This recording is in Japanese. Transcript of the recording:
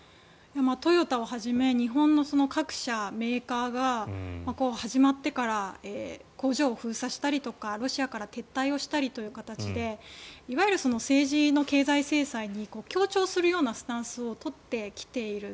トヨタをはじめ日本の各社メーカーが始まってから工場を封鎖したりとかロシアから撤退をしたりという形でいわゆる政治の経済制裁に協調するようなスタンスを取ってきている。